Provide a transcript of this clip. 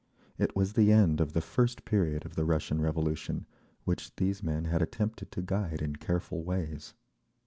It was the end of the first period of the Russian revolution, which these men had attempted to guide in careful ways….